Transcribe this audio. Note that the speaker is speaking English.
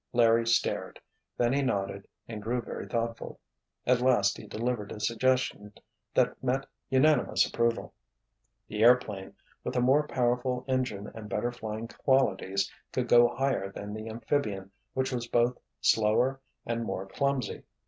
Larry stared. Then he nodded and grew very thoughtful. At last he delivered a suggestion that met unanimous approval. The airplane, with a more powerful engine and better flying qualities, could go higher than the amphibian which was both slower and more clumsy.